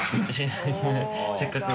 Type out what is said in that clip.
せっかく。